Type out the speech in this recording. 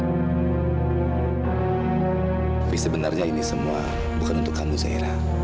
tapi sebenarnya ini semua bukan untuk kamu saya